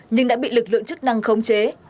nhưng đã bị lực lượng chức năng khống chế